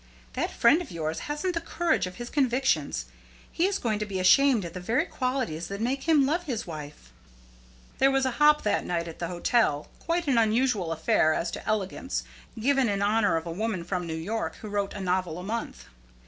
That friend of yours hasn't the courage of his convictions. He is going to be ashamed of the very qualities that made him love his wife." There was a hop that night at the hotel, quite an unusual affair as to elegance, given in honor of a woman from New York, who wrote a novel a month.